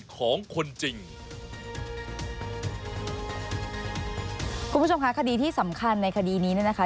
คุณผู้ชมค่ะคดีที่สำคัญในคดีนี้เนี่ยนะคะ